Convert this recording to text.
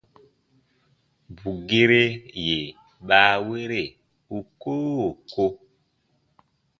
Bù gere yè baawere u koo ko.